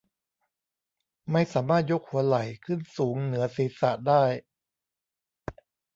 ไม่สามารถยกหัวไหล่ขึ้นสูงเหนือศีรษะได้